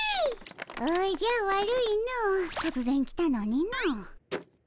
おじゃ悪いのとつぜん来たのにの。